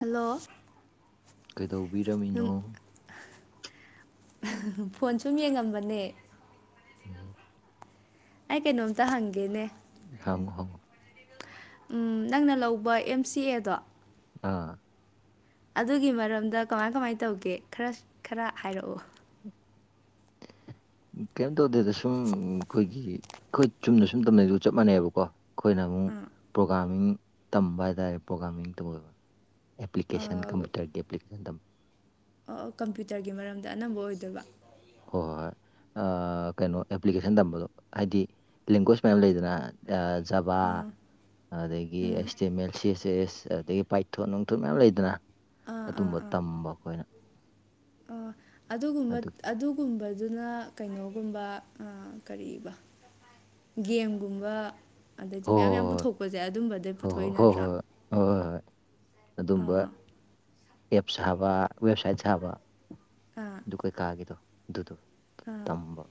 hello ꯀꯩꯗꯧꯕꯤꯔꯝꯃꯤꯅꯣ ꯅꯪ phone ꯁꯨꯝ ꯌꯦꯡꯉꯝꯕꯅꯦ ꯎꯝ ꯑꯩ ꯀꯩꯅꯣꯝꯇ ꯍꯪꯒꯦꯅꯦ ꯍꯪꯉꯨ ꯍꯪꯉꯨ ꯅꯪꯅ ꯂꯧꯕ ꯑꯦꯝ ꯁꯤ ꯑꯦꯗꯣ ꯑꯥ ꯑꯗꯨꯒꯤ ꯃꯔꯝꯗ ꯀꯃꯥꯏ ꯀꯃꯥꯏ ꯇꯧꯒꯦ ꯈꯔ ꯈꯔ ꯍꯥꯏꯔꯛꯑꯨ ꯀꯦꯝ ꯇꯧꯗꯦꯗ ꯁꯨꯝ ꯑꯩꯈꯣꯏꯒꯤ ꯑꯩꯈꯣꯏ ꯆꯨꯝꯅ ꯁꯨꯝ ꯇꯝꯅꯩꯗꯨꯒ ꯆꯞ ꯃꯥꯟꯅꯩꯕꯀꯣ ꯑꯩꯈꯣꯏꯅ ꯑꯃꯨꯛ ꯄ꯭ꯔꯣꯒꯥꯥꯝꯃꯤꯡ ꯇꯝꯕ ꯍꯥꯏ ꯇꯥꯔꯦ ꯄ꯭ꯔꯣꯒꯥꯝꯃꯤꯡ ꯇꯧꯋꯦꯕ ꯑꯦꯄ꯭ꯀꯦꯟꯁꯟ ꯀꯝꯄꯨꯇꯔ ꯑꯦꯄ꯭ꯂꯤꯀꯦꯁꯟ ꯇꯝꯕ ꯑꯣ ꯀꯝꯄ꯭ꯌꯨꯇꯔꯒꯤ ꯃꯔꯝꯗ ꯑꯅꯝꯕ ꯑꯣꯏꯗꯣꯏꯕ ꯍꯣꯏ ꯍꯣꯏ ꯍꯣꯏ ꯑꯥ ꯀꯩꯅꯣ ꯑꯦꯄ꯭ꯂꯤꯀꯦꯁꯟ ꯇꯝꯕꯗꯣ ꯍꯥꯏꯗꯤ ꯂꯦꯡꯀ꯭ꯋꯦꯁ ꯃꯌꯥꯝ ꯂꯩꯗꯅ ꯑꯥ ꯖꯕꯥ ꯎꯝ ꯑꯗꯒꯤ ꯎꯝ ꯑꯦꯁꯇꯦꯃꯦꯜ ꯁꯤꯁ ꯑꯦꯁ ꯑꯗꯒꯤ ꯄꯥꯏꯊꯣꯟꯠ ꯅꯨꯡꯊꯣꯟ ꯃꯌꯥꯝ ꯂꯩꯗꯅ ꯑꯥ ꯑꯥ ꯑꯗꯨꯝꯕ ꯑꯥ ꯇꯝꯕ ꯑꯩꯈꯣꯏꯅ ꯑꯗꯨꯒꯨꯝꯕ ꯑꯗꯨꯒꯤ ꯑꯗꯨꯒꯨꯝꯕꯗꯨꯅ ꯀꯩꯅꯣꯒꯨꯝꯕ ꯑꯥ ꯀꯔꯤꯕ ꯒꯦꯝꯒꯨꯝꯕ ꯑꯗꯩꯗꯤ ꯃꯌꯥꯝ ꯌꯥꯝ ꯍꯣꯏ ꯄꯨꯊꯣꯛꯄꯁꯦ ꯑꯗꯨꯝꯕꯗꯩ ꯍꯣꯏ ꯄꯨꯊꯣꯛꯏ ꯍꯣꯏ ꯍꯣꯏ ꯅꯠꯇ꯭ꯔꯥ ꯍꯣꯏ ꯍꯣꯏ ꯍꯣꯏ ꯍꯣꯏ ꯍꯣꯏ ꯍꯣꯏ ꯍꯣꯏ ꯑꯗꯨꯝꯕ ꯑꯥ ꯑꯦꯞ ꯁꯥꯕ ꯋꯦꯕꯁꯥꯏꯠ ꯁꯥꯕ ꯑꯥ ꯑꯗꯨ ꯀꯩꯀꯥꯒꯤꯗꯣ ꯑꯗꯨꯗꯣ ꯑꯥ ꯇꯝꯕ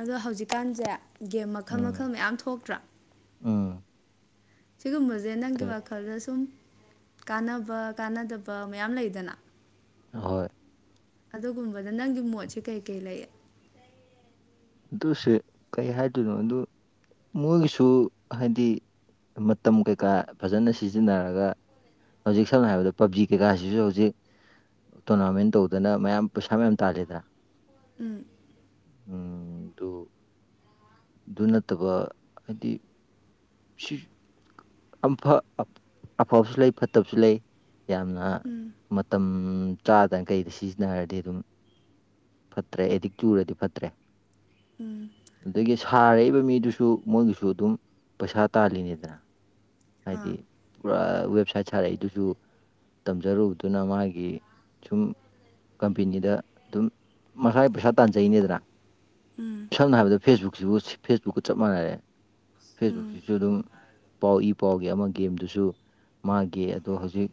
ꯑꯗꯣ ꯍꯧꯖꯤꯛꯀꯥꯟꯁꯦ ꯒꯦꯝ ꯃꯈꯜ ꯎꯝ ꯃꯈꯜ ꯃꯌꯥꯝ ꯊꯣꯛꯇ꯭ꯔꯥ ꯎꯝ ꯁꯤꯒꯨꯝꯕꯁꯦ ꯅꯪꯒꯤ ꯋꯥꯈꯜꯗ ꯁꯨꯝ ꯀꯥꯟꯅꯕ ꯀꯥꯟꯅꯗꯕ ꯃꯌꯥꯝ ꯂꯩꯗꯅ ꯍꯣꯏ ꯑꯗꯨꯒꯨꯝꯕꯗ ꯅꯪꯒꯤ ꯃꯣꯠꯁꯦ ꯀꯩꯀꯩ ꯂꯩ ꯗꯨꯁꯦ ꯀꯩ ꯍꯥꯏꯗꯣꯏꯅꯣ ꯑꯗꯨ ꯃꯣꯏꯒꯤꯁꯨ ꯍꯥꯏꯗꯤ ꯃꯇꯝ ꯀꯩꯀꯥ ꯐꯖꯅ ꯁꯤꯖꯤꯟꯅꯔꯒ ꯍꯧꯖꯤꯛ ꯁꯝꯅ ꯍꯥꯏꯔꯕꯗ ꯄꯕꯖꯤ ꯀꯩꯀꯥꯁꯤꯁꯨ ꯍꯧꯖꯤꯛ ꯇꯣꯔꯅꯥꯃꯦꯟ ꯇꯧꯗꯅ ꯃꯌꯥꯝ ꯄꯩꯁꯥ ꯃꯌꯥꯝ ꯇꯥꯂꯦꯗ꯭ꯔꯥ ꯎꯝ ꯎꯝ ꯗꯨ ꯗꯨ ꯅꯠꯇꯕ ꯍꯥꯏꯗꯤ ꯁꯤ ꯑꯝꯐ ꯑꯐꯕꯁꯨ ꯂꯩ ꯐꯠꯇꯕꯁꯨ ꯂꯩ ꯌꯥꯝꯅ ꯎꯝ ꯃꯇꯝ ꯆꯥꯗꯪꯒꯩ ꯁꯤꯖꯤꯟꯅꯔꯗꯤ ꯑꯗꯨꯝ ꯐꯠꯇ꯭ꯔꯦ ꯑꯦꯗꯤꯛ ꯆꯨꯔꯗꯤ ꯐꯠꯇ꯭ꯔꯦ ꯎꯝ ꯑꯗꯒꯤ ꯁꯥꯔꯛꯏꯕ ꯃꯤꯗꯨꯁꯨ ꯃꯣꯏꯒꯤꯁꯨ ꯑꯗꯨꯝ ꯄꯩꯁꯥ ꯇꯥꯜꯂꯤꯅꯤꯗꯅ ꯍꯥꯏꯗꯤ ꯑꯥ ꯄꯨꯔꯥ ꯋꯦꯕꯁꯥꯏꯠ ꯁꯥꯔꯛꯏꯗꯨꯁꯨ ꯇꯝꯖꯔꯨꯕꯗꯨꯅ ꯃꯥꯒꯤ ꯁꯨꯝ ꯀꯝꯄꯦꯅꯤꯗ ꯑꯗꯨꯝ ꯃꯁꯥꯏ ꯄꯩꯁꯥ ꯇꯥꯟꯖꯩꯅꯤꯗꯅ ꯎꯝ ꯁꯝꯅ ꯍꯥꯏꯔꯕꯗ ꯐꯦꯁꯕꯨꯛꯁꯤꯕꯨ ꯐꯦꯁꯕꯨꯛꯀ ꯆꯞ ꯃꯥꯟꯅꯔꯦ ꯎꯝ ꯐꯦꯁꯕꯨꯛꯁꯤꯁꯨ ꯑꯗꯨꯝ ꯄꯥꯎ ꯏ ꯄꯥꯎꯒꯤ ꯑꯃ ꯒꯦꯝꯗꯨꯁꯨ ꯃꯥꯒꯤ ꯑꯗꯣ ꯍꯖꯤꯛ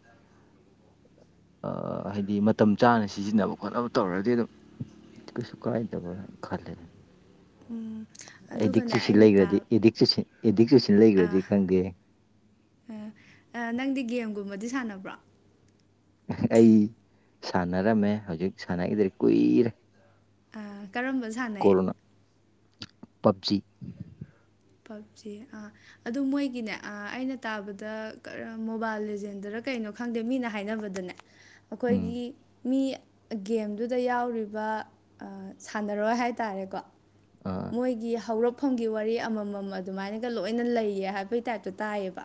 ꯑꯥ ꯍꯥꯏꯗꯤ ꯃꯇꯝ ꯆꯥꯅ ꯁꯤꯖꯤꯟꯅꯕ ꯈꯣꯠꯅꯕ ꯇꯧꯔꯗꯤ ꯑꯗꯨꯝ ꯀꯩꯁꯨ ꯀꯥꯏꯗꯕ꯭ꯔ ꯍꯥꯏꯅ ꯈꯜꯂꯦ ꯎꯝ ꯑꯗꯨꯒꯅꯦ ꯑꯦꯗꯤꯛꯁꯤ ꯁꯤ ꯑꯩꯅ ꯂꯩꯒ꯭ꯔꯗꯤ ꯇꯥ ꯑꯦꯗꯤꯛ ꯁꯤꯁꯤ ꯑꯦꯗꯤꯛ ꯆꯨꯁꯤꯜ ꯂꯩꯒ꯭ꯔꯗꯤ ꯈꯪꯗꯦꯍꯦ ꯑ ꯅꯪꯗꯤ ꯒꯦꯝꯒꯨꯝꯕꯗꯤ ꯁꯥꯟꯅꯕ꯭ꯔꯣ ꯑꯩ ꯁꯥꯟꯅꯔꯝꯃꯦ ꯍꯧꯖꯤꯛ ꯁꯥꯟꯅꯒꯤꯗ꯭ꯔꯦ ꯀꯨꯏꯔꯦ ꯑ ꯀꯔꯝꯕ ꯁꯥꯟꯅꯩ ꯀꯣꯔꯣꯅꯥ ꯄꯞꯖꯤ ꯄꯞꯖꯤ ꯑ ꯑꯗꯨ ꯃꯣꯏꯒꯤꯅꯦ ꯑ ꯑꯩꯅ ꯇꯥꯕꯗ ꯀꯔꯝ ꯃꯣꯕꯥ꯭ꯏꯜ ꯂꯤꯖꯦꯟꯗꯔ ꯀꯩꯅꯣ ꯈꯪꯗꯦ ꯃꯤꯅ ꯍꯥꯏꯅꯕꯗꯅꯦ ꯎꯝ ꯑꯈꯣꯏꯒꯤ ꯃꯤ ꯒꯦꯝꯗꯨꯗ ꯌꯥꯎꯔꯤꯕ ꯑ ꯁꯥꯟꯅꯔꯣꯏ ꯍꯥꯏꯇꯥꯔꯦꯀꯣ ꯑꯥ ꯃꯣꯏꯒꯤ ꯍꯧꯔꯛꯐꯝꯒꯤ ꯋꯥꯔꯤ ꯑꯃꯃꯝ ꯑꯗꯨꯃꯥꯏꯅꯒ ꯂꯣꯏꯅ ꯂꯩꯌꯦ ꯍꯥꯏꯕꯒꯤ ꯇꯥ꯭ꯏꯞꯇ ꯇꯥꯏꯌꯦꯕ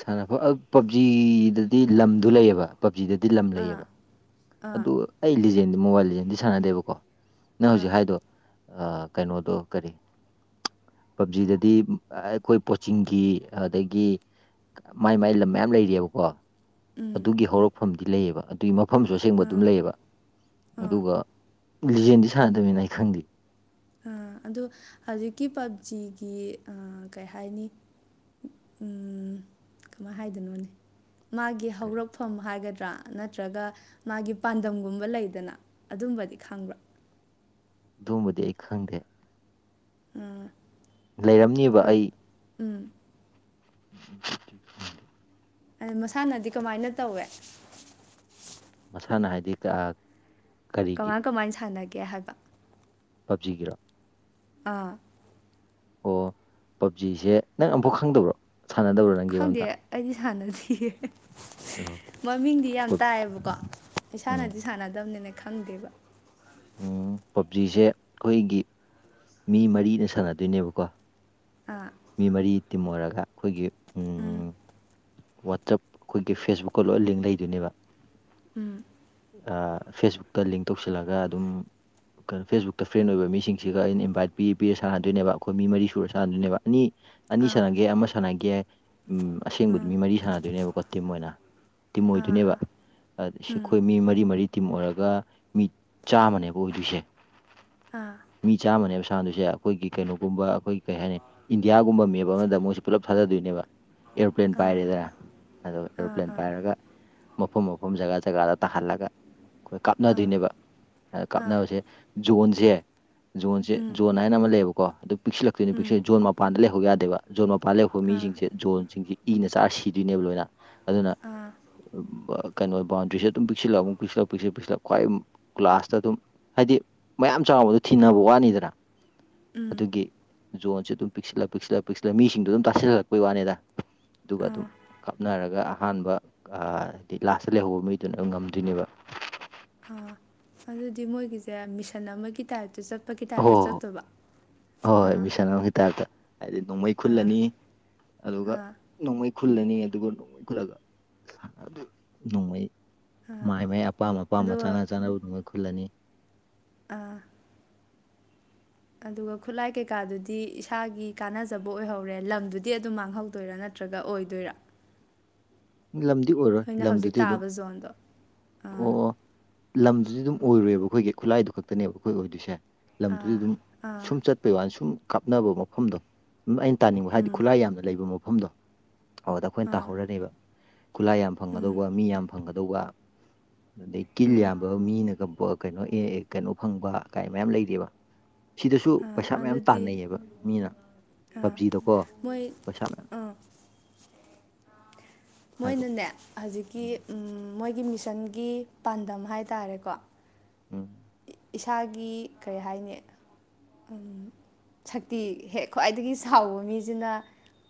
ꯁꯥꯟꯅꯕ ꯑꯞ ꯄꯞꯖꯤꯗꯗꯤ ꯂꯝꯗꯨ ꯂꯩꯌꯦꯕ ꯄꯞꯖꯤꯗꯗꯤ ꯂꯝ ꯑꯥ ꯂꯩꯌꯦꯕ ꯑꯥ ꯑꯗꯨ ꯑꯩ ꯂꯤꯖꯦꯟꯗꯤ ꯃꯣꯕꯥ꯭ꯏꯜ ꯂꯤꯖꯦꯟꯗꯤ ꯁꯥꯟꯅꯗꯦꯕꯀꯣ ꯅꯪ ꯑꯥ ꯍꯧꯖꯤꯛ ꯍꯥꯏꯗꯣ ꯑ ꯀꯩꯅꯣꯗꯣ ꯀꯔꯤ ꯄꯞꯖꯤꯗꯗꯤ ꯑꯈꯣꯏ ꯄꯣꯆꯤꯡꯒꯤ ꯑꯗꯒꯤ ꯃꯥꯏ ꯃꯥꯏ ꯂꯝ ꯃꯌꯥꯝ ꯂꯩꯔꯤꯌꯦꯕꯀꯣ ꯎꯝ ꯑꯗꯨꯒꯤ ꯍꯧꯔꯛꯐꯝꯗꯤ ꯂꯩꯌꯦꯕ ꯑꯗꯨꯏ ꯃꯐꯝꯁꯨ ꯑꯁꯦꯡꯕ ꯑꯗꯨꯝ ꯂꯩꯌꯦꯕ ꯑꯗꯨꯒ ꯂꯤꯖꯦꯟꯗꯤ ꯁꯥꯟꯅꯗꯕꯅꯤꯅ ꯑꯩ ꯈꯪꯗꯦ ꯑ ꯑꯗꯣ ꯍꯧꯖꯤꯛꯀꯤ ꯄꯞꯖꯤꯒꯤ ꯑ ꯀꯩ ꯍꯥꯏꯅꯤ ꯎꯝ ꯀꯃꯥꯏ ꯍꯥꯏꯗꯣꯏꯅꯣꯅꯦ ꯃꯥꯒꯤ ꯀꯔꯤ ꯍꯧꯔꯛꯐꯝ ꯍꯥꯏꯒꯗ꯭ꯔꯥ ꯅꯠꯇ꯭ꯔꯒ ꯃꯥꯒꯤ ꯄꯥꯟꯗꯝꯒꯨꯝꯕ ꯂꯩꯗꯅ ꯑꯗꯨꯝꯕꯗꯤ ꯈꯪꯕ꯭ꯔꯥ ꯗꯨꯝꯕꯗꯤ ꯑꯩ ꯈꯪꯗꯦ ꯎꯝ ꯂꯩꯔꯝꯅꯤꯕ ꯑꯩ ꯎꯝ [inaudible] ꯑꯦ ꯃꯁꯥꯟꯅꯗꯤ ꯀꯃꯥꯏꯅ ꯇꯧꯋꯦ ꯃꯁꯥꯟꯅ ꯍꯥꯏꯗꯤ ꯀ ꯀꯃꯥꯏ ꯀꯃꯥꯏꯟ ꯁꯥꯟꯅꯒꯦ ꯍꯥꯏꯕ ꯄꯞꯖꯤ ꯒꯤꯔꯣ ꯑꯥ ꯑꯣ ꯄꯞꯖꯤꯁꯦ ꯅꯪ ꯑꯝꯐꯥꯎ ꯈꯪꯗꯕ꯭ꯔꯣ ꯁꯥꯟꯅꯗꯕꯔꯣ ꯅꯪ ꯒꯦꯝ ꯈꯪꯗꯦ ꯑꯝꯇ ꯑꯩꯗꯤ ꯁꯥꯟꯅꯗꯤꯌꯦꯍꯦ ꯑꯣ ꯃꯃꯤꯡꯗꯤ ꯌꯥꯝ ꯄꯞ ꯇꯥꯏꯑꯦꯕꯀꯣ ꯎꯝ ꯏꯁꯥꯅꯗꯤ ꯁꯥꯟꯅꯗꯕꯅꯤꯅ ꯈꯪꯗꯦꯕ ꯎꯝ ꯄꯞꯖꯤꯁꯦ ꯑꯈꯣꯏꯒꯤ ꯃꯤ ꯃꯔꯤꯅ ꯁꯥꯟꯅꯗꯣꯏꯅꯦꯕꯀꯣ ꯑꯥ ꯃꯤ ꯃꯔꯤ ꯇꯤꯝ ꯑꯣꯏꯔꯒ ꯑꯈꯣꯏꯒꯤ ꯎꯝ ꯎꯝ ꯋꯥꯠꯆꯞ ꯑꯈꯣꯏꯒꯤ ꯐꯦꯁꯕꯨꯛꯀ ꯂꯣꯏ ꯂꯤꯡ ꯂꯩꯗꯣꯏꯅꯦꯕ ꯎꯝ ꯑ ꯐꯦꯁꯕꯨꯛꯇ ꯂꯤꯡ ꯇꯧꯁꯤꯜꯂꯒ ꯀ ꯐꯦꯁꯕꯨꯛꯇ ꯐ꯭ꯔꯦꯟ ꯑꯣꯏꯕ ꯃꯤꯁꯤꯡꯁꯤꯒ ꯑꯩꯅ ꯏꯟꯚꯥ꯭ꯏꯠ ꯄꯤ ꯄꯤꯔꯒ ꯁꯥꯟꯅꯗꯣꯏꯅꯦꯕ ꯑꯈꯣꯏ ꯃꯤ ꯃꯔꯤ ꯁꯨꯔ ꯁꯥꯟꯅꯗꯣꯏꯅꯦꯕ ꯑꯅꯤ ꯑꯅꯤ ꯑꯥ ꯁꯥꯟꯅꯒꯦ ꯌꯥꯏ ꯑꯃ ꯁꯥꯟꯅꯒꯦ ꯌꯥꯏ ꯎꯝ ꯑꯁꯦꯡꯕꯗꯤ ꯎꯝ ꯃꯤ ꯃꯔꯤ ꯁꯥꯟꯅꯗꯣꯏꯅꯦꯕꯀꯣ ꯇꯤꯝ ꯑꯣꯏꯅ ꯇꯤꯝ ꯑꯥ ꯑꯣꯏꯗꯣꯏꯅꯦꯕ ꯑꯥ ꯑ ꯁꯤ ꯎꯝ ꯑꯈꯣꯏ ꯃꯤ ꯃꯔꯤ ꯃꯔꯤ ꯇꯤꯝ ꯑꯣꯏꯔꯒ ꯃꯤ ꯆꯥꯝꯃꯅꯦꯕ ꯑꯣꯏꯗꯣꯏꯁꯦ ꯑꯥ ꯃꯤ ꯆꯥꯝꯃꯅꯦꯕ ꯁꯥꯅꯗꯨꯁꯦ ꯑꯈꯣꯏꯒꯤ ꯀꯩꯅꯣꯒꯨꯝꯕ ꯑꯈꯣꯏꯒꯤ ꯀꯩ ꯍꯥꯏꯅꯤ ꯏꯟꯗꯤꯌꯥꯒꯨꯝꯕ ꯃꯦꯞ ꯑꯃꯗ ꯃꯣꯏꯁꯦ ꯄꯨꯜꯂꯞ ꯊꯥꯗꯗꯣꯏꯅꯦꯕ ꯑꯦꯔꯣꯄ꯭ꯂꯦꯟ ꯑꯥ ꯄꯥꯏꯔꯦꯗ ꯑꯗꯨꯒ ꯑꯥ ꯑꯦꯔꯣꯄ꯭ꯂꯦꯟ ꯑꯥ ꯄꯥꯏꯔꯒ ꯃꯐꯝ ꯃꯐꯝ ꯖꯒꯥ ꯖꯒꯥꯗ ꯇꯥꯍꯜꯂꯒ ꯈꯣꯏ ꯑꯥ ꯀꯥꯞꯅꯗꯣꯏꯅꯦꯕ ꯑ ꯑꯥ ꯀꯥꯞꯅꯕꯁꯦ ꯖꯣꯟꯁꯦ ꯖꯣꯟꯁꯦ ꯎꯝ ꯖꯣꯟ ꯍꯥꯏꯅ ꯑꯃ ꯂꯩꯌꯦꯕꯀꯣ ꯑꯗꯨ ꯄꯤꯛꯁꯤꯜꯂꯛꯇꯣꯏ ꯎꯝ ꯄꯤꯛꯁꯟ ꯖꯣꯟ ꯃꯄꯥꯟꯗ ꯂꯩꯍꯧ ꯌꯥꯗꯦꯕ ꯖꯣꯟ ꯃꯄꯥꯟ ꯂꯩꯍꯧꯕ ꯑꯥ ꯃꯤꯁꯤꯡꯁꯦ ꯖꯣꯟ ꯁꯤꯡꯁꯤ ꯏꯅ ꯆꯥꯔ ꯁꯤꯗꯣꯏꯅꯦꯕ ꯂꯣꯏꯅ ꯑꯗꯨꯅ ꯑꯥ ꯀꯩꯅꯣ ꯕꯥꯎꯟꯗꯔꯤꯁꯦ ꯑꯗꯨꯝ ꯄꯤꯛꯁꯤꯜꯂꯃꯨꯛ ꯄꯤꯛꯁꯤꯜꯂꯛ ꯄꯤꯁꯤꯂꯛ ꯄꯤꯛꯁꯤꯜꯂꯛ ꯈ꯭ꯋꯥꯏ ꯒ꯭ꯂꯥꯁꯇ ꯑꯗꯨꯝ ꯍꯥꯏꯗꯤ ꯃꯌꯥꯝ ꯆꯥꯎꯕꯗꯣ ꯊꯤꯅꯕ ꯋꯥꯅꯤꯗꯅ ꯎꯝ ꯑꯗꯨꯒꯤ ꯖꯣꯟꯁ ꯑꯗꯨꯝ ꯄꯤꯛꯁꯤꯜꯂꯛ ꯄꯤꯛꯁꯤꯜꯂꯛ ꯄꯤꯛꯁꯤꯜꯂꯛ ꯃꯤꯡꯁꯤꯡꯗꯣ ꯑꯗꯨꯝ ꯇꯥꯁꯤꯜꯂꯛꯄꯩ ꯋꯥꯅꯤꯗ ꯑꯗꯨꯒ ꯑꯗꯨꯝ ꯑꯥ ꯀꯞꯅꯔꯒ ꯑꯍꯥꯟꯕ ꯍꯥꯏꯗꯤ ꯂꯥꯁꯇ ꯂꯩꯍꯧꯕ ꯃꯤꯗꯨꯅ ꯑꯗꯨ ꯉꯝꯗꯣꯏꯅꯦꯕ ꯑ ꯑꯗꯨꯗꯤ ꯃꯣꯏꯒꯤꯁꯦ ꯃꯤꯁꯟ ꯑꯃꯒꯤ ꯇꯥꯏꯞꯇ ꯆꯠꯄꯒꯤ ꯍꯣꯏ ꯇꯥꯏꯞꯇ ꯍꯣꯏ ꯆꯠꯇꯣꯕ ꯍꯣꯏ ꯃꯤꯁꯟ ꯑꯝꯒꯤ ꯇꯥꯏꯞꯇ ꯍꯥꯏꯗꯤ ꯅꯣꯡꯃꯩ ꯑꯥ ꯈꯨꯜꯂꯅꯤ ꯑꯗꯨꯒ ꯑꯥ ꯅꯣꯡꯃꯩ ꯈꯨꯜꯂꯅꯤ ꯑꯗꯨꯒ ꯅꯣꯡꯃꯩ ꯈꯨꯜꯂꯒ ꯑꯗꯨ ꯅꯣꯡꯃꯩ ꯑꯥ ꯃꯥꯏ ꯃꯥꯏ ꯑꯄꯥꯝ ꯑꯄꯥꯝꯕ ꯑꯗꯨꯒ ꯆꯥꯅ ꯆꯥꯅꯕ ꯅꯨꯡꯃꯣꯏ ꯈꯨꯜꯂꯅꯤ ꯑꯥ ꯑꯗꯨꯒ ꯈꯨꯠꯂꯥꯏ ꯀꯩꯀꯥꯗꯨꯗꯤ ꯏꯁꯥꯒꯤ ꯀꯥꯟꯅꯖꯕ ꯑꯣꯏꯍꯧꯔꯦ ꯂꯝꯗꯨꯗꯤ ꯑꯗꯨꯝ ꯃꯥꯡꯍꯧꯗꯣꯏꯔ ꯅꯠ ꯇ꯭ꯔꯒ ꯑꯣꯏꯗꯣꯏꯔꯥ ꯂꯝꯗꯤ ꯑꯣꯏꯔꯣꯏ ꯑꯩꯅ ꯍꯧꯖꯤꯛ ꯂꯝꯗꯨꯗꯤ ꯑꯗꯨꯝ ꯇꯥꯕ ꯖꯣꯟꯗꯣ ꯑꯥ ꯑꯣ ꯑꯣ ꯂꯝꯗꯨꯗꯤ ꯑꯗꯨꯝ ꯑꯣꯏꯔꯣꯏꯕ ꯑꯈꯣꯏꯒꯤ ꯈꯨꯠꯂꯥꯏꯗꯨ ꯈꯛꯇꯅꯦꯕ ꯑꯈꯣꯏ ꯑꯣꯏꯗꯣꯏꯁꯦ ꯂꯝꯗꯨꯗꯤ ꯑꯥ ꯑꯗꯨꯝ ꯑꯥ ꯁꯨꯝ ꯆꯠ ꯄꯩꯋꯥꯅ ꯁꯨꯝ ꯀꯥꯞꯅꯕ ꯃꯐꯝꯗꯣ ꯎꯝ ꯑꯩꯅ ꯇꯥꯅꯤꯡꯕ ꯍꯥꯏꯗꯤ ꯎꯝ ꯈꯨꯠꯂꯥꯏ ꯌꯥꯝꯅ ꯂꯩꯕ ꯃꯐꯝꯗꯣ ꯑꯧꯗ ꯑꯈꯣꯏꯅ ꯑꯥ ꯇꯥꯍꯧꯔꯅꯦꯕ ꯈꯨꯂꯥꯏ ꯌꯥꯝ ꯎꯝ ꯐꯪꯒꯗꯧꯕ ꯃꯤ ꯌꯥꯝ ꯐꯪꯒꯗꯧꯕ ꯑꯗꯩ ꯀꯤꯜ ꯎꯝ ꯌꯥꯝꯕ ꯃꯤꯅꯒ ꯀꯩꯅꯣ ꯑꯦ ꯀꯩꯅꯣ ꯐꯪꯕ ꯀꯥꯏ ꯃꯌꯥꯝ ꯂꯩꯔꯤꯕ ꯁꯤꯗꯁꯨ ꯑꯥ ꯄꯩꯁꯥ ꯃꯌꯥꯝ ꯑꯗꯨꯗꯤ ꯇꯥꯟꯅꯩꯌꯦꯕ ꯃꯤꯅ ꯑꯥ ꯄꯞꯖꯤꯗꯀꯣ ꯃꯣꯏ ꯄꯩꯁꯥ ꯃꯌꯥꯝ ꯑꯥ ꯍꯥꯏꯔꯣ ꯃꯣꯏꯅꯅꯦ ꯍꯖꯤꯛꯀꯤ ꯎꯝ ꯃꯣꯏꯒꯤ ꯃꯤꯁꯟꯒꯤ ꯄꯥꯟꯗꯝ ꯍꯥꯏꯇꯥꯔꯦꯀꯣ ꯎꯝ ꯏꯁꯥꯒꯤ ꯀꯔꯤ ꯍꯥꯏꯅꯤ ꯎꯝ ꯁꯛꯇꯤ ꯍꯦꯛ ꯈ꯭ꯋꯥꯏꯗꯒꯤ ꯁꯥꯎꯕ ꯃꯤꯖꯤꯅ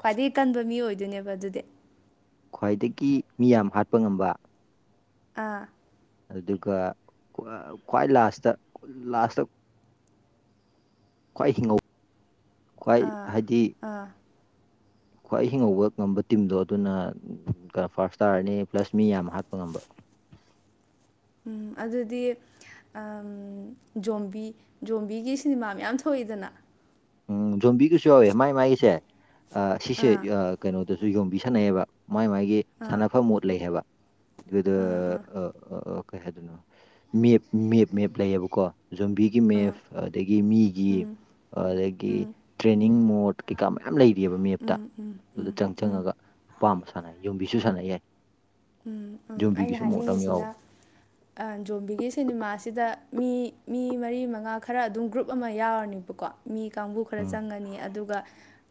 ꯈ꯭ꯋꯥꯏꯗꯒꯤ ꯀꯟꯕ ꯃꯤ ꯑꯣꯏꯗꯣꯏꯅꯦꯕ ꯑꯗꯨꯗꯤ ꯈ꯭ꯋꯥꯏꯗꯒꯤ ꯃꯤ ꯌꯥꯝ ꯍꯥꯠꯄ ꯉꯝꯕ ꯑꯥ ꯑꯗꯨꯒ ꯀ꯭ꯋꯥ ꯈ꯭ꯋꯥꯏ ꯂꯥꯁꯇ ꯂꯥꯁꯇ ꯈ꯭ꯋꯥꯏ ꯍꯤꯡꯍꯧ ꯈ꯭ꯋꯥꯏ ꯑꯥ ꯍꯥꯏꯗꯤ ꯑꯥ ꯈ꯭ꯋꯥꯏ ꯍꯤꯡꯍꯧꯕ ꯉꯝꯕ ꯇꯤꯝꯗꯣ ꯑꯗꯨꯅ ꯒꯔ ꯐꯥꯔꯁ ꯇꯥꯔꯅꯤ ꯄ꯭ꯂꯁ ꯃꯤ ꯌꯥꯝ ꯍꯥꯠꯄ ꯉꯝꯕ ꯎꯝ ꯑꯗꯨꯗꯤ ꯑꯝ ꯖꯣꯝꯕꯤ ꯖꯣꯝꯕꯤꯒꯤ ꯁꯤꯅꯦꯃꯥ ꯃꯌꯥꯝ ꯊꯣꯛꯏꯗꯅ ꯎꯝ ꯖꯣꯝꯕꯤꯒꯁꯨ ꯌꯥꯎꯋꯦ ꯃꯥꯏ ꯃꯥꯥꯏꯒꯤꯁꯦ ꯑꯥ ꯁꯤꯁꯦ ꯑꯥ ꯀꯩꯅꯣꯗꯁꯨ ꯌꯣꯝꯕꯤ ꯁꯥꯟꯅꯩꯌꯦꯕ ꯃꯥꯏ ꯃꯥꯒꯤ ꯁꯥꯟꯅꯐꯝ ꯃꯣꯠ ꯂꯩ ꯍꯥꯏꯕ ꯑꯗꯨꯗ ꯑꯥ ꯀꯩ ꯍꯥꯏꯗꯣꯏꯅꯣ ꯃꯦꯞ ꯃꯦꯞ ꯃꯦꯞ ꯂꯩꯌꯦꯕꯀꯣ ꯖꯣꯝꯕꯤ ꯒꯤ ꯃꯦꯞ ꯑꯗꯒꯤ ꯃꯤꯒꯤ ꯑ ꯒꯤ ꯇ꯭ꯔꯦꯅꯤꯡ ꯃꯣꯠ ꯀꯩꯀꯥ ꯃꯌꯥꯝ ꯂꯩꯔꯤꯌꯦꯕ ꯃꯦꯞꯇ ꯑꯗꯨꯗ ꯆꯪ ꯆꯪꯉꯒ ꯑꯄꯥꯝꯕ ꯁꯥꯟꯅ ꯌꯣꯝꯕꯤꯁꯨ ꯁꯥꯟꯅ ꯌꯥꯏ ꯎꯝ ꯎꯝ ꯑꯩꯅ ꯌꯣꯝꯕꯤꯒꯤꯁꯨ ꯃꯣꯠ ꯑꯃ ꯌꯥꯎꯋꯦ ꯍꯥꯏꯅꯤꯡꯉꯤꯁꯤꯅ ꯑꯥ ꯖꯣꯝꯕꯤꯒꯤ ꯁꯤꯅꯤꯃꯥꯁꯤꯗ ꯃꯤ ꯃꯤ ꯃꯔꯤ ꯃꯉꯥ ꯈꯔ ꯑꯗꯨꯝ ꯒ꯭ꯔꯨꯞ ꯑꯃ ꯌꯥꯎꯔꯅꯤꯕꯀꯣ ꯃꯤ ꯀꯥꯡꯕꯨ ꯈꯔ ꯎꯝ ꯆꯪꯉꯅꯤ ꯑꯗꯨꯒ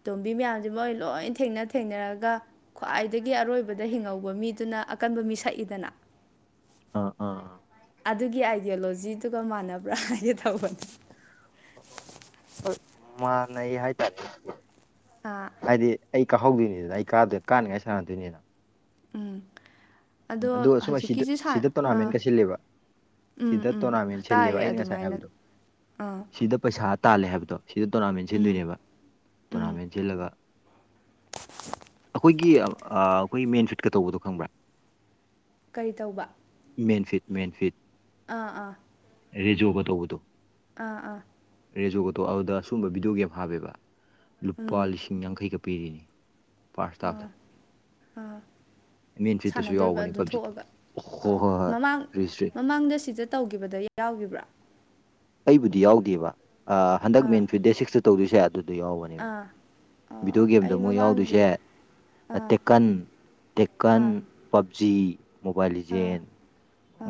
ꯇꯣꯝꯕꯤ ꯃꯌꯥꯝꯖꯦ ꯃꯣꯏ ꯂꯣꯏ ꯊꯦꯡꯅ ꯊꯦꯡꯅꯔꯒ ꯈ꯭ꯋꯥꯏꯗꯒꯤ ꯑꯔꯣꯏꯕꯗ ꯍꯤꯡꯍꯧꯕ ꯃꯤ ꯇꯨꯅ ꯑꯀꯟꯕ ꯃꯤ ꯁꯛꯏꯗꯅ ꯑꯥ ꯑꯥ ꯑꯥ ꯑꯗꯨꯒꯤ ꯑꯥꯏꯗꯤꯌꯣꯂꯣꯖꯤꯗꯨꯒ ꯃꯥꯟꯅꯕ꯭ꯔꯥ ꯍꯥꯏꯒꯦ ꯇꯧꯕꯅꯤ ꯍꯣꯏ ꯃꯥꯅꯩ ꯍꯥꯏꯇꯥꯔꯦ ꯑꯥ ꯍꯥꯏꯗꯤ ꯑꯩ ꯀꯥꯍꯧꯗꯣꯏꯅꯤꯗꯅ ꯑꯩ ꯀꯥꯗ ꯀꯥꯅꯤꯡꯉꯥꯏ ꯁꯥꯟꯅꯗꯣꯏꯅꯤꯅ ꯎꯝ ꯎꯝ ꯑꯗꯣ ꯁꯨ ꯑꯁꯤꯗ ꯍꯧꯖꯤꯛꯀꯤꯁꯤ ꯁꯥ ꯁꯤꯗ ꯑꯥ ꯇꯣꯔꯅꯥꯃꯦꯟꯒ ꯁꯤꯂꯦꯕ ꯎꯝ ꯁꯤꯗ ꯎꯝ ꯇꯣꯔꯅꯥꯃꯦꯟ ꯁꯤꯜꯂꯦꯕ ꯇꯥꯏꯌꯦ ꯑꯩꯅ ꯉꯁꯥꯏ ꯑꯗꯨꯃꯥꯏꯅ ꯍꯥꯏꯕꯗꯣ ꯑꯥ ꯁꯤꯗ ꯄꯩꯁꯥ ꯇꯥꯜꯂꯦ ꯍꯥꯏꯕꯗꯣ ꯁꯤꯗ ꯇꯣꯔꯅꯥꯃꯦꯟ ꯎꯝ ꯁꯤꯟꯗꯣꯏꯅꯦꯕ ꯎꯝ ꯇꯣꯔꯅꯥꯃꯦꯟ ꯁꯤꯜꯂꯒ ꯑꯈꯣꯏꯒꯤ ꯑꯥ ꯑꯈꯣꯏ ꯃꯦꯟ ꯐꯤꯠꯀ ꯇꯧꯕꯗꯣ ꯈꯪꯕ꯭ꯔꯥ ꯀꯔꯤ ꯇꯧꯕ ꯃꯦꯟꯐꯤꯠ ꯃꯦꯟꯐꯤꯠ ꯑꯥ ꯑꯥ ꯔꯦꯖꯣꯕ ꯇꯧꯕꯗꯣ ꯑꯥ ꯑꯥ ꯔꯦꯖꯣꯒꯣꯇꯣ ꯑꯧꯗ ꯁꯨꯝꯕ ꯚꯤꯗꯤꯑꯣ ꯒꯦꯝ ꯍꯥꯞꯄꯦꯕ ꯂꯨꯄꯥ ꯎꯝ ꯂꯤꯁꯤꯡ ꯌꯥꯡꯈꯩꯒ ꯄꯤꯔꯤꯅꯤ ꯄꯥꯔꯁ ꯇꯥꯕꯗ ꯃꯦꯟꯐꯤꯠ ꯍꯥꯟꯅꯗꯣꯏꯕ ꯑꯗꯨꯝ ꯊꯣꯛꯑꯒ ꯑ ꯍꯣꯏ ꯃꯃꯥꯡ ꯔꯤꯁꯇ꯭ꯔꯤꯠ ꯃꯃꯥꯡꯗ ꯁꯤꯗ ꯇꯧꯒꯤꯕꯗꯩ ꯌꯥꯎꯒꯤꯕ꯭ꯔꯥ ꯑꯩꯕꯨꯗꯤ ꯌꯥꯎꯗꯦꯕ ꯑꯥ ꯍꯟꯗꯛ ꯃꯦꯟ ꯐꯤꯞ ꯗꯦ ꯁꯤꯛꯁꯇ ꯇꯧꯗꯣꯏꯁꯦ ꯑꯗꯨꯗ ꯌꯥꯎꯕꯅꯦ ꯑꯥ ꯕꯤꯗꯤꯑꯣ ꯑꯣ ꯒꯦꯝꯗ ꯑꯩ ꯃꯣꯏ ꯃꯃꯥꯡꯒꯤ ꯌꯥꯎꯗꯣꯏꯖꯦ ꯑꯥ ꯇꯦꯛꯀꯟ ꯇꯦꯛꯀꯟ ꯑꯥ ꯄꯞꯖꯤ ꯃꯣꯕꯥꯏꯜ ꯑꯥ ꯂꯤꯖꯦꯟ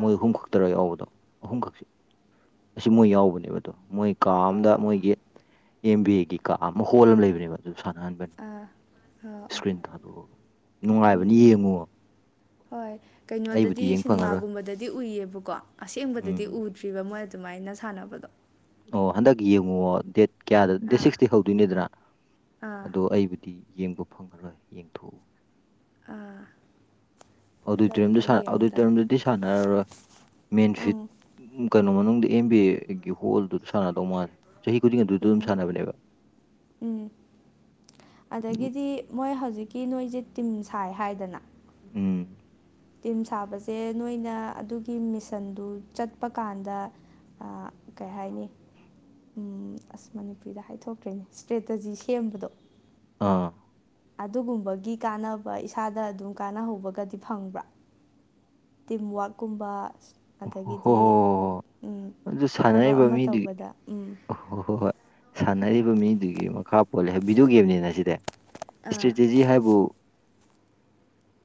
ꯃꯣꯏ ꯑꯍꯨꯝ ꯈꯛꯇꯔ ꯌꯥꯎꯕꯗꯣ ꯑꯍꯨꯝꯈꯛꯁꯤ ꯑꯁꯤ ꯃꯣꯏ ꯌꯥꯎꯕꯅꯦꯕ ꯑꯗꯣ ꯃꯣꯏ ꯀꯥ ꯑꯝꯗ ꯑꯥ ꯃꯣꯏꯒꯤ ꯑꯦꯝ ꯕꯤ ꯑꯦꯒꯤ ꯀꯥ ꯑꯃ ꯍꯣꯜ ꯑꯃ ꯂꯩꯕꯅꯦꯕ ꯑꯗꯨ ꯁꯥꯟꯅꯍꯟꯕꯅꯤ ꯑꯥ ꯑꯥ ꯑꯣ ꯏꯁꯀ꯭ꯔꯤꯟ ꯊꯥꯗꯣꯛꯑꯒ ꯅꯨꯡꯉꯥꯏꯕꯗꯤ ꯎꯝ ꯌꯦꯡꯉꯣ ꯍꯣꯏ ꯑꯩꯕꯨꯗꯤ ꯀꯩꯅꯣꯗꯗꯤ ꯌꯦꯡ ꯐꯪꯉꯔꯣꯏ ꯁꯤꯟꯃꯥꯒꯨꯝꯕꯗꯗꯤ ꯎꯏꯌꯦꯕꯀꯣ ꯑꯁꯦꯡꯕꯗꯗꯤ ꯎꯝ ꯎꯗ꯭ꯔꯤꯕ ꯃꯣꯏ ꯑꯗꯨꯃꯥꯏꯅ ꯁꯥꯟꯅꯕꯗꯣ ꯑꯣ ꯍꯟꯗꯛ ꯌꯦꯡꯉꯨꯋꯣ ꯗꯦꯠ ꯀꯌꯥꯗ ꯗꯦꯠ ꯑꯥ ꯁꯤꯛꯁꯇꯩ ꯍꯧꯗꯣꯏꯅꯦꯗꯅ ꯑꯥ ꯑꯗꯣ ꯑꯩꯕꯨꯗꯤ ꯌꯦꯡꯕ ꯐꯪꯉꯔꯣꯢ ꯌꯦꯡꯊꯣꯛꯎ ꯑꯥꯑ ꯑꯣꯗꯤꯇꯔꯤꯌꯝꯗ ꯁꯥꯟ ꯇꯥꯔꯦ ꯑꯣꯗꯤꯇꯔꯤꯌꯝꯗꯗꯤ ꯁꯥꯟꯅꯔꯔꯣꯢ ꯃꯦꯟ ꯐꯤꯠ ꯎꯝ ꯎꯪ ꯀꯩꯅꯣ ꯃꯅꯨꯡꯗ ꯑꯦꯝ ꯕꯤ ꯑꯦꯒꯤ ꯍꯣꯜꯗꯨꯗ ꯁꯥꯟꯅꯗꯧ ꯃꯥꯜꯂꯦ ꯆꯍꯤ ꯈꯨꯗꯤꯡꯒꯤ ꯑꯗꯨꯗ ꯑꯗꯨꯝ ꯎꯝ ꯁꯥꯟꯅꯕꯅꯦꯕ ꯎꯝ ꯑꯗꯒꯤꯗꯤ ꯃꯣꯏ ꯍꯧꯖꯤꯛꯀꯤ ꯅꯣꯏꯖꯦ ꯇꯤꯝ ꯁꯥꯏ ꯍꯥꯏꯗꯅ ꯎꯝ ꯇꯤꯝ ꯁꯥꯕꯁꯦ ꯅꯣꯏꯅ ꯑꯗꯨꯒꯤ ꯃꯤꯁꯟꯗꯨ ꯆꯠꯄ ꯀꯥꯟꯗ ꯑꯥ ꯀꯩ ꯍꯥꯏꯅꯤ ꯎꯝ ꯑꯥꯁ ꯃꯅꯤꯄꯨꯔꯤꯗ ꯍꯥꯏꯊꯣꯛꯇ꯭ꯔꯣꯏꯅꯦ ꯏꯁ꯭ꯇ꯭ꯔꯦꯇꯖꯤ ꯁꯦꯝꯕꯗꯣ ꯑꯥꯑ ꯑꯗꯨꯒꯨꯝꯕꯒꯤ ꯀꯥꯟꯅꯕ ꯏꯁꯥꯗ ꯑꯗꯨꯝ ꯀꯥꯟꯅꯍꯧꯕꯒꯗꯤ ꯐꯪꯕ꯭ꯔꯥ ꯇꯤꯝ ꯋꯥꯛꯀꯨꯝꯕ ꯍꯣꯏ ꯍꯣꯏ ꯑꯗꯒꯤꯗꯤ ꯍꯣꯏ ꯎꯪ ꯑꯗꯨ ꯊꯕꯛ ꯑꯃ ꯇꯧꯕꯗ ꯎꯝ ꯑꯣꯍꯣꯏ ꯍꯣꯏ ꯁꯥꯟꯅꯔꯤꯕ ꯃꯤꯗꯨꯒꯤ ꯃꯈꯥ ꯄꯣꯜꯂꯦ ꯍꯥꯢ ꯕꯤꯗꯤꯑꯣ ꯒꯦꯝꯅꯤꯅ ꯁꯤꯗꯤ ꯑꯥ ꯏꯁꯇ꯭ꯔꯦꯇꯦꯖꯤ ꯍꯥꯏꯕꯨ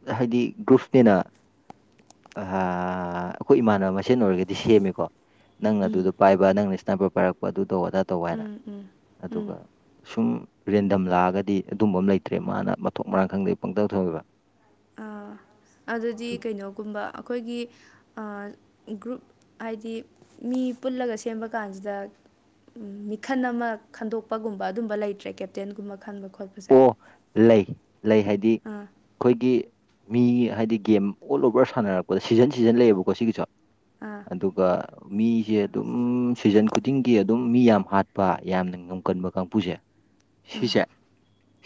ꯑꯥꯍꯥꯏꯗꯤ ꯒ꯭ꯔꯨꯞꯅꯤꯅ ꯑꯥꯑ ꯑꯩꯈꯣꯏ ꯏꯃꯥꯟꯅꯕ ꯃꯁꯦꯟ ꯑꯣꯏꯔꯒꯗꯤ ꯁꯦꯝꯃꯤꯀꯣ ꯅꯪꯅ ꯑꯗꯨꯗ ꯎꯝ ꯄꯥꯏꯕ ꯅꯪꯅ ꯏꯁꯅꯦꯞꯄꯔ ꯄꯥꯏꯔꯛꯄ ꯑꯗꯨꯇꯧꯕ-ꯑꯗꯥ ꯇꯧꯕ ꯍꯥꯏꯅ ꯎꯝ ꯎꯝ ꯑꯗꯨꯒ ꯎꯝ ꯁꯨꯝ ꯔꯦꯟꯗꯝ ꯂꯥꯛꯑꯒꯗꯤ ꯑꯗꯨꯝꯕ ꯑꯃ ꯂꯩꯇ꯭ꯔꯦ ꯃꯥꯅ ꯃꯊꯣꯡ ꯃꯔꯥꯡ ꯈꯪꯗꯒꯩ ꯄꯪꯇꯧ ꯇꯧꯋꯦꯕ ꯑꯥꯑ ꯑꯗꯨꯗꯤ ꯑꯗꯨ ꯀꯩꯅꯣꯒꯨꯝꯕ ꯑꯩꯈꯣꯏꯒꯤ ꯑꯥ ꯒ꯭ꯔꯨꯞ ꯍꯥꯏꯗꯤ ꯃꯤ ꯄꯨꯜꯂꯒ ꯁꯦꯝꯕ ꯀꯥꯟꯖꯤꯗ ꯎꯝ ꯃꯤꯈꯟ ꯑꯃ ꯈꯟꯗꯣꯛꯄꯒꯨꯝꯕ ꯑꯗꯨꯝꯕ ꯂꯩꯇ꯭ꯔꯦ ꯀꯦꯞꯇꯦꯟꯒꯨꯝꯕ ꯈꯟꯕ ꯈꯣꯠꯄꯁꯦ ꯑꯣ ꯂꯩ ꯂꯩ ꯍꯥꯏꯗꯤ ꯑꯥ ꯑꯩꯈꯣꯏꯒꯤ ꯃꯤꯒꯤ ꯍꯥꯏꯗꯤ ꯒꯦꯝ ꯑꯣꯜ ꯑꯣꯚꯔ ꯁꯥꯟꯅꯔꯛꯄꯗ ꯁꯤꯖꯟ ꯁꯤꯖꯟ ꯂꯩꯌꯦꯕꯀꯣ ꯁꯤꯒꯤꯖꯨ ꯑꯥ ꯑꯗꯨꯒ ꯃꯤꯖꯦ ꯑꯗꯨꯝ꯬꯬ ꯁꯤꯖꯟ ꯈꯨꯗꯤꯡꯒꯤ ꯑꯗꯨꯝ ꯃꯤ ꯌꯥꯝ ꯍꯥꯠꯄ ꯌꯥꯝꯅ ꯉꯝꯒꯟꯕ ꯀꯥꯡꯕꯨꯖꯦ ꯁꯤꯖꯦ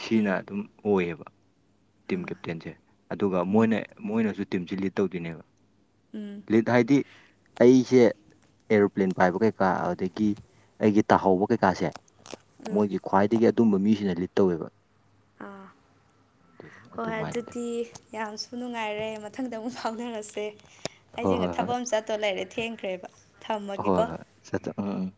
ꯁꯤꯅ ꯎꯝ ꯑꯗꯨꯝ ꯑꯣꯏꯑꯦꯕ ꯇꯤꯝ ꯀꯦꯞꯇꯦꯟꯖꯦ ꯑꯗꯨꯒ ꯃꯣꯏꯅ ꯃꯣꯏꯅꯖꯨ ꯇꯤꯝꯖꯤ ꯂꯤꯠ ꯇꯧꯗꯣꯏꯅꯦꯕ ꯎꯪ ꯂꯤꯠ ꯍꯥꯏꯗꯤ ꯑꯩꯖꯦ ꯑꯦꯔꯣꯄ꯭ꯂꯦꯟ ꯄꯥꯏꯕ ꯀꯩꯀꯥ ꯑꯗꯨꯗꯒꯤ ꯑꯩꯒꯤ ꯇꯥꯍꯧꯕ ꯀꯩꯀꯥꯁꯦ ꯃꯣꯏꯒꯤ ꯈ꯭ꯋꯥꯏꯗꯒꯤ ꯑꯗꯨꯝꯕ ꯃꯤꯖꯤꯅ ꯂꯤꯠ ꯇꯧꯋꯦꯕ ꯑꯗꯨꯅꯤ ꯍꯣꯏ ꯑꯗꯨꯃꯥꯏꯅ ꯂꯩ ꯑꯗꯨꯗꯤ ꯌꯥꯝꯁꯨ ꯅꯨꯡꯉꯥꯏꯔꯦ ꯃꯊꯪꯗ ꯑꯃꯨꯛ ꯐꯥꯎꯅꯔꯁꯦ ꯍꯣꯏ ꯑꯩꯖꯤꯅ ꯍꯣꯏ ꯊꯕꯛ ꯍꯣꯏ ꯑꯃ ꯆꯠꯇꯣ ꯂꯩꯔꯦ ꯊꯦꯡꯈ꯭ꯔꯦꯕ ꯊꯝꯃꯒꯦꯀꯣ ꯆꯠꯇꯦ ꯑꯥꯑꯪ